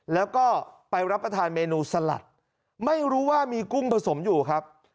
แล้วก็ไปรับประทานเมนูสลัดไม่รู้ว่ามีกุ้งผสมอยู่ครับ